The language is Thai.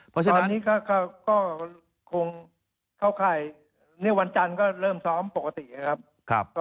ตอนนี้ก็คงเข้าค่ายวันจันทร์ก็เริ่มซ้อมปกติครับ